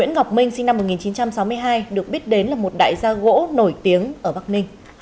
nguyễn ngọc minh sinh năm một nghìn chín trăm sáu mươi hai được biết đến là một đại gia gỗ nổi tiếng ở bắc ninh